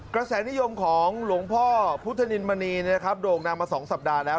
กระแสนิยมของหลวงพ่อพุทธนินมณีนะครับโดกนางมาสองสัปดาห์แล้ว